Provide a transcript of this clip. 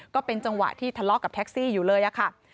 ก็เป็นจังหวะที่ทะเลาะกับแท็กซี่อยู่เลยค่ะ